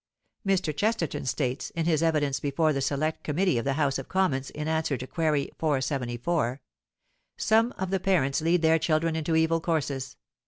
Mr. Chesterton states, in his evidence before the select committee of the House of Commons in answer to query 474, 'Some of the parents lead their children into evil courses.